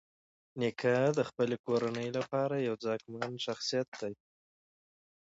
نیکه د خپلې کورنۍ لپاره یو ځواکمن شخصیت دی.